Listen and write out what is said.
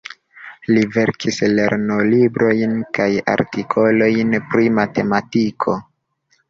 Li verkis lernolibrojn kaj artikolojn pri matematiko.